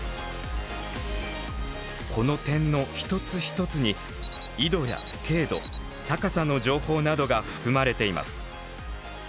この点の一つ一つに緯度や経度高さの情報などが含まれています。